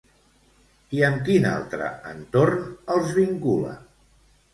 I amb quin altre entorn els vincula?